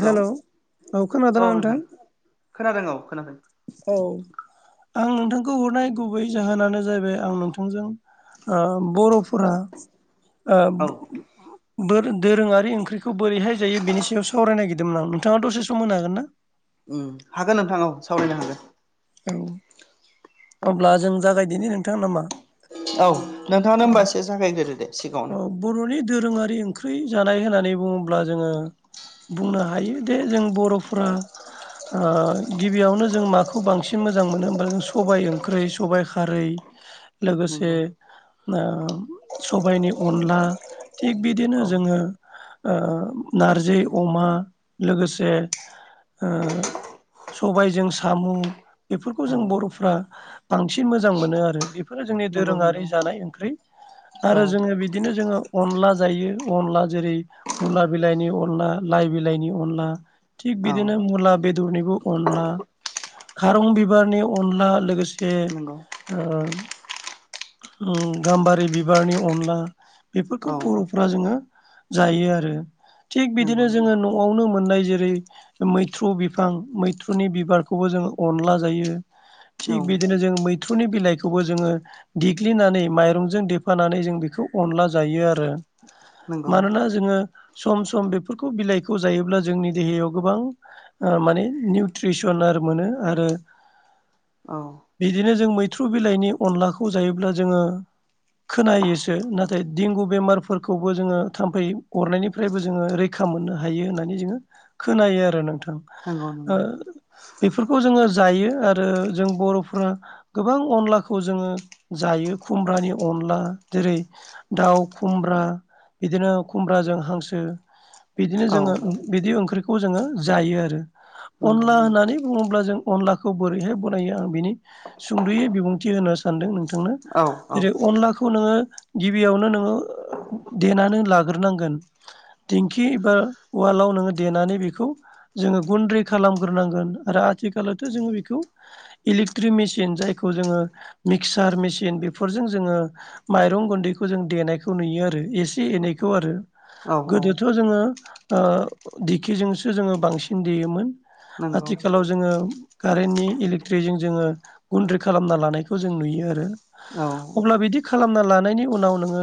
Hello औ नोंथां खोनादों औ खोनादों औ आं नोंथांखौ हरनाय गुबै जाहोनानो जाहैबाय आं नोंथांजों आ बर'फोरा ओ औ म बोर दोरोङारि ओंख्रिखौ बोरैहाय जायो बेनि सायाव सावराय नागिरदोंमोन आं नोंथाङा दसे सम होनो हागोन ना? हागोन नोंथां औ सावरायनो हागोन औ अब्ला जों जागायदिनि नोंथां नामा? औ नोंथाङानो औ होमबा एसे जागायग्रोदो दे। औ सिगाङावनो बर'नि दोरोङारि ओंख्रि जानाय होननानै बुङोब्ला जोङो बुंनो हायो दे जों बर'फ्रा गिबियावनो जों माखौ बांसिन मोजां मोनो होमबा जों सबाइ ओंख्रै सबाइ खारै लोगोसे नंगौ सबायनि अनला थिग बिदिनो औ जोङो ओ नारजि अमा लोगोसे ओ सबायजों साम' बेफोरखौ औ जों बरफ्रा बांसिन मोजां मोनो आरो बि बेफोरो जोंनि नंगौ दोरोङारि नंगौ जानाय ओंख्रि औ आरो जोंङो बि बिदिनो जोङो अनला जायो, अनला जेरै मुला बिलाइनि अनला लाइ बिलाइनि अनला थिग औ बिदिनो खारं बिबारनि अनला लोगोसे नंगौ ओ ओ गाम्बारि बिबारनि अनला बेफोरखौ औ बर'फ्रा जोङो जायो आरो थिग नंगौ बिदिनो नंगौ जोङो न'आवनो मोननाय जेरै मैथ्रु बिफां मैथ्रुनि बिबारखौबो जोङो अनला जायो। औ थिग बिदिनो जों मैथ्रुनि बिलाइखौबो जोङो देग्लिनानै माइरंजों देफानानै जों बेखौ अनला जायो आरो। नंगौ मानोना जोङो सम सम बेफोरखौ बिलाइखौ जायोब्ला जोंनि देहायाव गोबां ओ माने निउट्रिसनार मोनो आरो औ बिदिनो जों मैथ्रु बिलाइनि अनलाखौ जायोब्ला जोङो खोनायोसो नाथाय देंगु बेमारफोरखौबो जोङो थाम्फै अरनायनि फ्रायबो जोङो रैखा मोननो हायो होननानै जोङो खोनायो आरो नोंथां नंगौ ओ। नंगौ बेफोरखौ जोङो जायो आरो जों बर'फ्रा गोबां अनलाखौ जोङो जायो खुमब्रानि अनला जेरै दाउ खुमब्रा बिदिनो खुमब्राजों हांसो बिदिनो औ जोङो बिदि ओंख्रिखौ जोङो जायो आरो नंगौ अनला नंगौ होननानै बुङोब्ला जों अनलाखौ बोरैहाय बनायो आं बिनि सुंद'यै बिबुंथि होनो सानदों नोंथांनो औ औ जेरै- अनलाखौ खौ नोङो गिबियावनो नोङो देनानै लाग्रोनांगोन दिेंखि एबा उवालाव नोङो देनानै बेखौ जोङो गुन्दै खालामग्रोनांगोन आरो आथिखालावथ' जोङो बेखौ इलेक्ट्रिक मेसिन जायखौ जोङो मिक्सार मेसिन बेफोरजों जोङो माइरं गुन्दैखौ जों देनायखौ नुयो आरो एसे एनैखौ आरो औ औ गोदोथ' जोङो ओ दिखिजोंसो जोङो बांसिन देयोमोन नंगौ आथिखालाव जोङो कारेन्टनि इलेक्ट्रिकजों जोङो गुन्द्रि खालामना लानायखौ जों नुयो आरो औ अब्ला बिदि खालामना लानायनि उनाव नोङो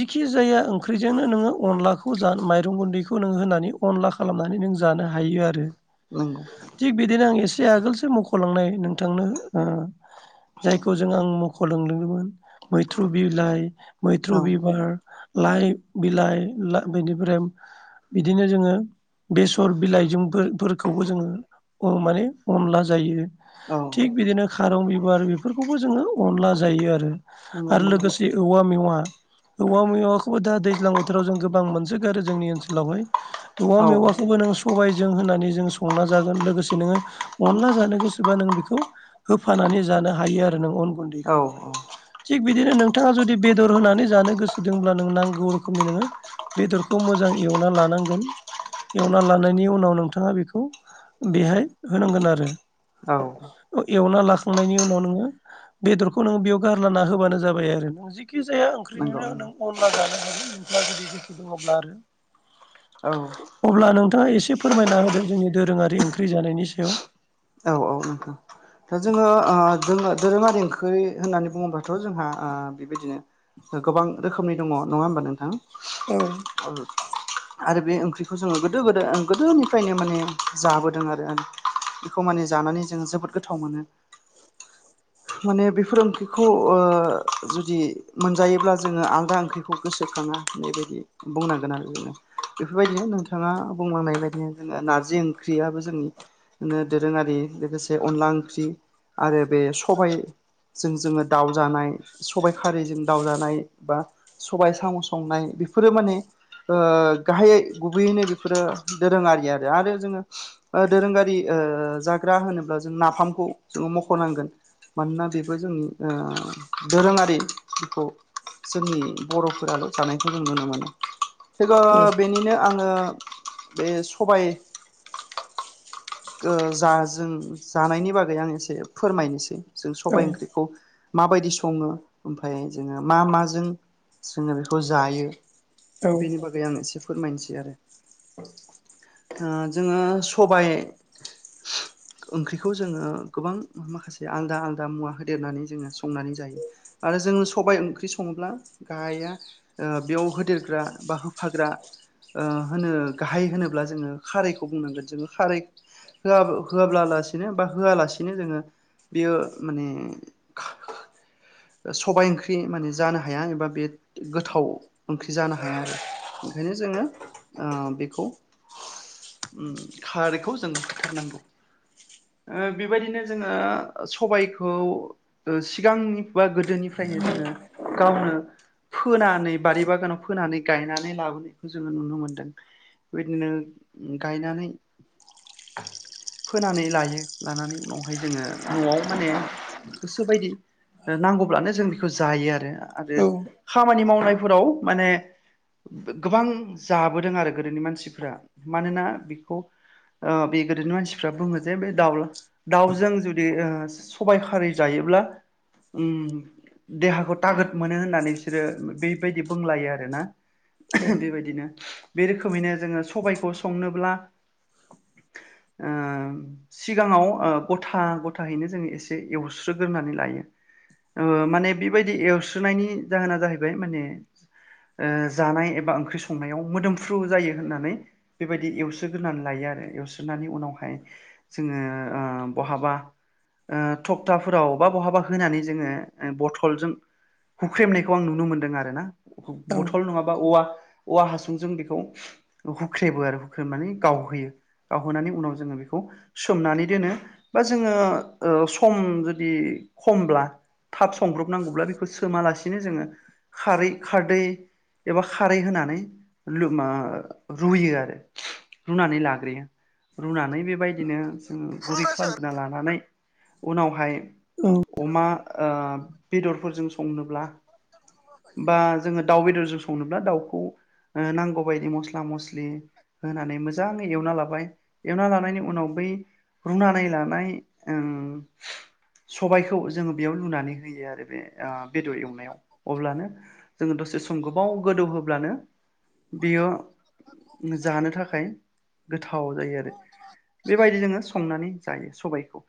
जिखि जाया ओंख्रिजोंनो नोङो अनलाखौ जा माइरं गुन्दैखौ नोङो होनानै। खनला खालामनानै नों जानो हायो आरो [unintelligible] थिग बिदिनो आं एसे आगोलसो मख'लांनाय नोंथांनो जायखौ जों आं मख'लांलोंदोंमोन मैथ्रु बिलाइ मैथ्रु औ बिबार लाइ बिलाइ बेनिफ्राय बिदिनो जोङो बेसर बिलाइजोंफोरखौबो जोङो माने अनला जायो। औ थिग बिदिनो खारं बिबार बेफोरखौबो जोङो अनला जायो आरो। नंगौ आरो नंगौ लोगोसे औवा मेवा, औवा मैवाखौबो दा दैज्लां बोथोराव जों गोबां मोनसोगारो जोंनि ओनसोलावहाय। औवा औ मेवाखौबो नों सबाइजों होनानै जों संना जागोन लोगोसे नोङो अनला जानो गोसोबा नों बेखौ होफानानै जानो हायो आरो नों अन औ गुन्दैखौ। थिग बिदिनो नोंथाङा जुदि बेदर होनानै जानो गोसो दंब्ला नों नांगौ रोखोमनि नोङो बेदरखौ मोजां एवना लानांगोन। एवना लानायनि उनाव नोंथाङा बेखौ बेहाय होनांगोन आरो। औ। एवना लाखांनायनि उनाव नोङो बेदरखौ नोङो बेयाव गार्लाना होबानो जाबाय आरो। नों जिखि जाया ओंख्रि बिदिनो नंगौ नों अनला जानो हागोन नोंथाङा जुदि गोसो दङब्ला आरो औ अब्ला नोंथाङा एसे फोरमायना होदों जोंनि दोरोङारि ओंख्रि जानायनि सायाव। औ औ नोंथां। जोङो जोङो धोरोमारि ओंख्रि होननानै बुङोबाथ' जोंहा आ बे बायदिनो गोबां रोखोमनि दङ नङा होमबा नोंथां? औ। [unintelligible] आरो बे ओंख्रिखौ जोङो गोदो गोदो गोदोनिफ्रायनो माने जाबोदों आरो। बेखौ माने जानानै जों जोबोद गोथाव मोनो। [inaudible] माने बेफोर ओंख्रिखौ ओ जुदि मोनजायोब्ला जोङो आलादा ओंख्रिखौ गोसोखाङा। बे बायदि बुंनांगोन आरो जोङो बेफोरबायदिनो नोंथाङा बुंलांनाय बायदि जोङो नारजि ओंख्रियाबो जोंनिनो दोरोङारि लोगोसे अनला ओंख्रि आरो बे सबाइ जों जोङो दाव जानाय, सबाइ खारिजों दाउ जानाय, बा सबायाइ साम' संनाय बेफोरो माने ओ गाहायै गुबैयैनो बेफोरो दोरोङारि आरो। आरो जोङो ओ दोरोङारि ओ जाग्रा होनोब्ला जों नाफामखौ जोङो मख' नांगोन। मानोना बेबो जोंनि दोरोङारिखौ जोंनि बर'फोराल' जानायखौ जों नुनो मोनो। औ बेनिनो आङो बे सबाइ जा जों जानायनि बागै आं एसे फोरमायनोसै। जों औ सबाइ ओंख्रि बेखौ माबायदि सङो। ओमफ्राय जोङो मा माजों जोङो बेखौ जायो। औ बेफोर आं एसे फोरमायनोसै आरो जोङो सबाइ ओंख्रिखौ जोङो गोबां माखासे आलादा आलादा मुवा होदेरनानै जोङो संनानै जायो आरो जों सबाइ ओंख्रि संब्ला गाया बेयाव होदेरग्रा, बा होफाग्रा होनो गाहाइ होनोब्ला जोङो खारैखौ बुंनांगोन। जोङो खारै होआ होआब्ला लासिनो बा होआलासिनो जोङो बियो माने [unintelligible] सबाय ओंख्रि माने जानो हाया एबा बे गोथाव ओंख्रि जानो हाया आरो। ओंखायनो जोङो बेखौ खारैखौ जो होथारनांगौ। बे बायदिनो जोङो सबाइखौ सिगांनि बा गोदोनिफ्रायनो जोङो गावनो फोनानै बारि बागानाव फोनानै गायनानै लाबोनायखौ जोङो नुनो मोन्दों। बे बायदिनो गायनानै फोनानै लायो लानानै उनावहाय जोङो न'आव माने गोसो बायदि नांगौब्लानो जों बेखौ जायो आरो आरो खामानि मावनायफोराव माने गोबां जाबोदों आरो गोदोनि मानसिफ्रा मानोना बेखौ बे गोदोनि मानसिफ्रा बुङो जे बे दाउला दाउजों जुदि ओ सबाय खारै जायोब्ला ओम देहाखौ थागोद मोनो होननानै बिसोरो बेबायदि बुंलायो आरोना। बेबायदिनो बे रोखोमैनो जोङो सबायखौ संनोब्ला ओ [inaudible] सिगाङाव गथा गथायाहैनो जोङो एसे एवस्रोगोरनानै लायो। माने बेबायदि एवस्रोनायनि जाहोना जाहैबाय माने जानाय एबा ओंख्रि संनायाव मोदोमफ्रु जायो होननानै बेबायदि एवसोग्रोनानै लायो आरो। एवस्रनानै उनावहाय जोङो बहाबा थखथाफोराव बबा बहाबा होनानै जोङो बथलजों हुख्रेमनायखौ आं नुनो मोनदों आरो ना औ बथल नङाबा औवा औवा हासुंजों बेखौ हुख्रेबो आरो हुख्रेबो माने गावहोयो। गावहोनानै उनाव जोङो बेखौ। सोमनानै दोनो बा जोङो सम जुदि खमब्ला - - थाब संब्रबनांगौब्ला बेखौ सोमालासिनो जोङो खारै खारदै एबा खारै होनानै रुयो आरो रुनानै लाग्रोयो। रुनानै बेबायदिनो जोङो गुरै खालामग्रोना लानानै उनावहाय। अमा बेदरफोरजों संनोब्ला बा जोङो दाउ बेदरजों संनोब्ला दाउखौ ओ नांगौबायदि मस्ला मस्लि होनानै मोजाङै एवना लाबाय एवना लानायनि उनाव बै रुनानै लानाय ओं सबायखौ जोङो बेयाव लुनानै होयो आरो बे बेदर एवनायाव अब्लानो जोङो दसे सम गोबाव गोदौ होब्लानो बेयो जाहोनो थाखाय औ जायो आरो। बेबायदि जोङो संनानै जायो सबायखौ।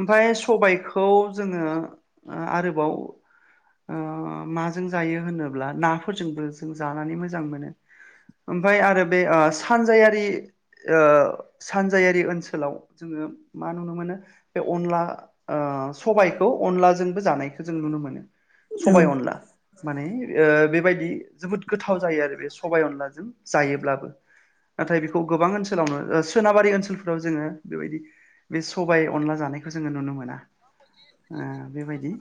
ओमफ्राय सबायखौ खौ जोङो आरोबाव माजों जायो होनोब्ला नाफोरजोंबो जों जानानै मोजां मोनो। ओमफफ्राय आरो बे सानजायारि सानजायारि ओनसोलाव जोङो मा नुनो मोनो बे अनला ओ सबायखौ अनलाजोंबो जानायखौ जों नुनो मोनो। औ सबाय अनला माने ओ बेबायदि जोबोद गोथाव जायो आरो बे सबायाइ अनलाजों जायोब्लाबो नाथाय बेखौ गोबां ओन्सोलावनो सोनाबारि ओन्सोलफोराव जोङो बेबायदि बे सबाय अनला जानायखौ जोङो नुनो मोना। बेबायदि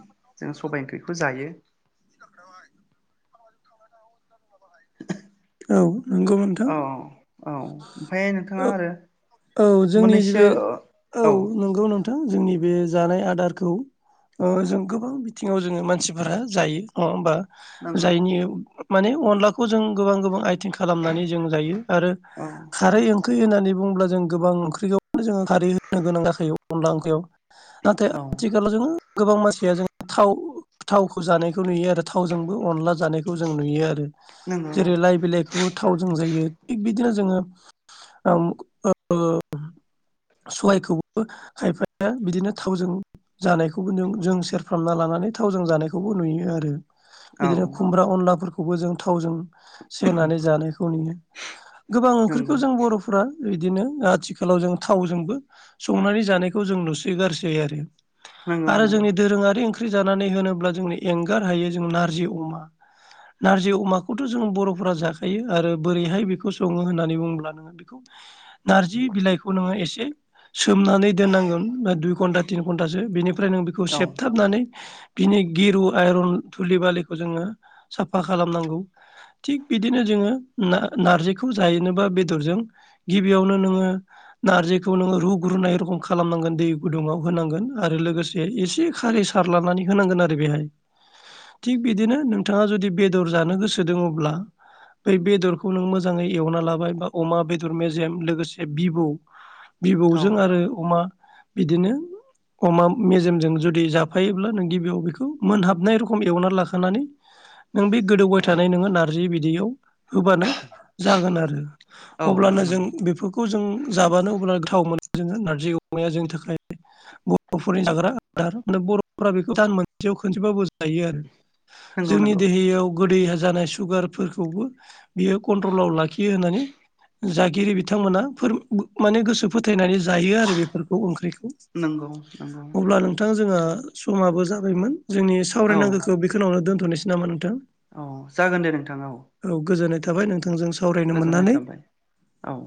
जों सबायाइ ओंख्रिखौ जायो। औ नोंगौ नोंथां। औ औ ओमफ्राय नोंथाङा आरो औ जोंनि जि मोननैसो बे औ नंगौ नों थां जोंनि बे जानाय आदारखौ जों गोबां बिथिङाव जोङो मानसिफोरा जायो। अ होमबा नंगौ जायनि माने अनलाखौ जों गोबां गोबां आइ थिं खालामनानै जों जायो आरो औ खारै ओं ओंख्रि होननानै बुङोब्ला जों गोबां ओंख्रिखौनो जोङो खारै होनो गोनां जाखायो अनला ओंख्रियाव। नाथाय औ आथिखालाव जोङो गोबां मानसिया जों थाव थावखौ जानायखौ नुयो आरो थावजोंबो अनला जानायखौ जों नुयो आरो नंगौ जेरै लाइ बिलाइखौ। थावजों जायो थिग बिदिनो जोङो [inaudible] सबायाइखौबो खायफाया बिदिनो थावजों जानायखौबो जों जों सेरफ्रामना लानानै थावजों जानायखौबो नुयो आरो औ बिदिनो खुमब्रा अनलाफोरखौबो जों थावजों सेरनानै जानायखौ नुयो गोबां ओंख्रिखौ नंगौ जों बर' फ्रा बिदिनो आथिखालाव जों थावजों बो संनानै जानायखौ जों नुसो गारसै नंगौ आरो नंगौ जोंनि दोरोङारि ओंख्रि जानानै होनोब्ला जोंनो एंगार हायो जों नारजि अमा नारजि अमाखौथ' जों बर'फोरा जाखायो आरो बोरैहाय बेखौ सङो होननानै बुंब्ला बेखौ नारजि बिलाइखौ नोङो एसे सोमनानै दोननांगोन दुइ घन्टा तिन घन्टासो बेनिफ्राय नों बेखौ औ सेबथाबनानै बिनि गिरु आइरन थुलि बालिखौ जोङो साफा खालामनांगौ। थिग बिदिनो जोङो ना नार्जिखौ जायोनोबा बेदरजों गिबियावनो नोङो नारजि खौ नोङो रुगोरनाय रखम खालाम नांगोन दै गुदूंआव होनागोन आरो लोगोसे एसे खारैजों सार लानानै होनांगोन आरो बेहाय। थिग बिदिनो नोंथाङा जुदि बेदर जानो गोसो दोङोब्ला बै बेदरखौ नों मोजाङै एवना लाबाय बा अमा बेदर मेजेम लोगोसे बिबौ औ बिबौजों आरो अमा बिदिनो अमा मेजेमजों जुदि जाफायोब्ला नों गिबियाव बेखौ मोनहाबनाय रोखम एवनानै लाखानानै नों बे गोदौबाय थानाय नोङो नारजि बिदैयाव होबानो जागोन आरो। औ अब्लानो जों नंगौ बेफोरखौ जों जाबानो अब्लानो गोथाव मोनो जोङो नारजि अमाया जोंनि थाखाय बर'फोरनि जाग्रा आदार माने बर'फोरा बेखौ दान मोनसे खनसेबाबो नंगौ जोंनि नंगौ देहायाव गोदै जानाय सुगारफोरखौबो बियो कन्ट्रलाव लाखियो होननानै जागिरि बिथांमोना फोर माने गोसो थैनानै जायो आरो बेफोरखौ ओंख्रिखौ नंगौ नंगौ अब्ला नों नोंथां जोंहा समाबो जाबायमोन जोंनि औ सावरायनांगौखौ बेखिनियावनो दोनथ'नोसै नामा नोंथां? औ जागोन दे नोंथाङा औ। औ गोजोननाय थाबाय नोंथांजों साव गोजोननाय थाबाय औ।